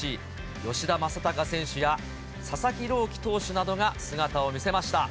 吉田正尚選手や佐々木朗希投手などが姿を見せました。